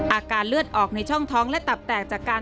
อาการเลือดออกในช่องท้องและตับแตกจากการ